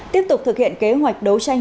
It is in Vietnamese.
tiếp tục thực hiện kế hoạch đấu tranh